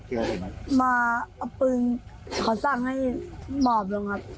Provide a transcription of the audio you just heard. มาเอาปืนขอสั่งให้หมอบลงครับ